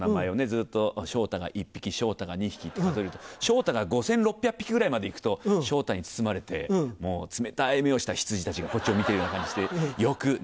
ずっと昇太が１匹昇太が２匹って数えると昇太が５６００匹ぐらいまでいくと昇太に包まれて冷たい目をした羊たちがこっちを見ているような感じしてよく眠れますね。